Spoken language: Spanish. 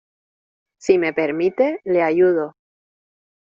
si me permite, le ayudo.